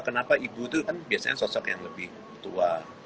kenapa ibu itu kan biasanya sosok yang lebih tua